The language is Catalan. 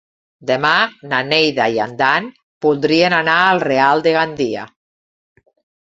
Demà na Neida i en Dan voldrien anar al Real de Gandia.